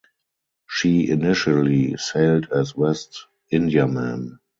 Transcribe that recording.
She initially sailed as West Indiaman.